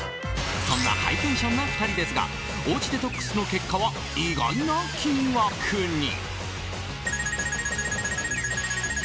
そんなハイテンションな２人ですがおうちデトックスの結果は意外な金額に。